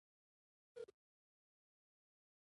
زه کله ناکله له موبایل نه ستړی شم.